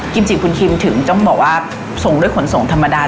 จิบคุณคิมถึงต้องบอกว่าส่งด้วยขนส่งธรรมดา